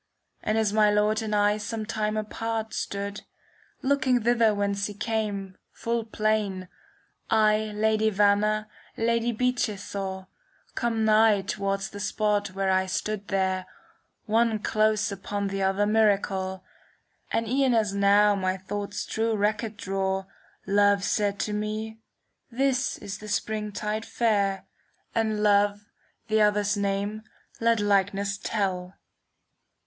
And as my Lord and I some time apart Stood, looking thither whence he came, full plain, I Lady Vanna, Lady Bic^, saw Come nigh towards the spot where I stood there, i" One close upon the other miracle ; And e'en as now my thoughts true record draw. Love said to me, " This is the Springtide fair. And Love, the other's name, let likeness tell."